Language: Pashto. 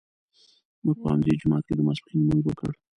موږ په همدې جومات کې د ماسپښین لمونځ وکړ.